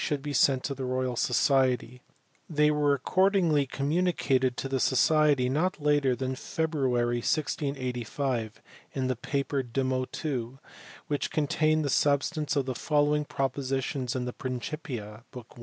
4 be sent to the Royal Society: they were accordingly communicated to the Society not later than February, 1685, in the paper De Motu^ which contains the substance of the following propo sitions in the Principia, book i.